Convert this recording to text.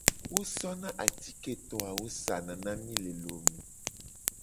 Wo sona atiketo awo sana na mi le lome.